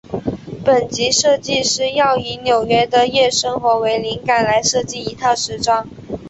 本集设计师要以纽约的夜生活为灵感来设计一套时装。